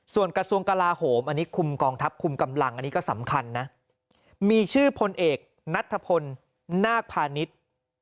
ส่วนกระทรวงกลาโหมอันนี้คุมกองทัพคุมกำลังอันนี้ก็สำคัญนะมีชื่อพลเอกนัทพลนาคพาณิชย์